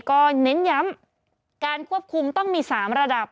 ก็เน้นย้ำการควบคุมต้องมี๓ระดับ